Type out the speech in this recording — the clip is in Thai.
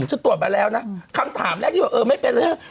ชั้นตรวจมาแล้วนะคำถามแรกที่บอกไม่ใช่